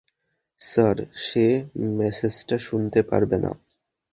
Sir, সে মেসেজটা শুনতে পারবে না।